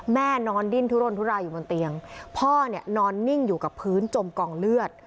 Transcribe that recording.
นอนดิ้นทุรนทุรายอยู่บนเตียงพ่อเนี่ยนอนนิ่งอยู่กับพื้นจมกองเลือด